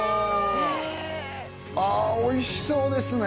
へえあおいしそうですね